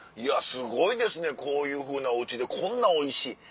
「すごいですねこういうふうなおうちでこんなおいしい。